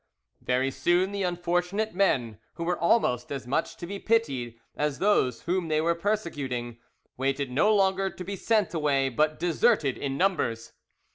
Very soon the unfortunate men, who were almost as much to be pitied as those whom they were persecuting, waited no longer to be sent away, but deserted in numbers.